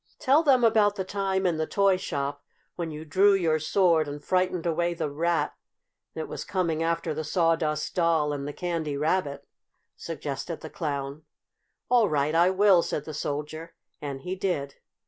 "Tell them about the time, in the toy shop, when you drew your sword and frightened away the rat that was coming after the Sawdust Doll and the Candy Rabbit," suggested the Clown. "All right, I will," said the Soldier, and he did.